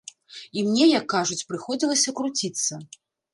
І мне, як кажуць, прыходзілася круціцца.